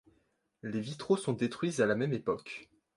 Les vitraux sont détruits à la même époque.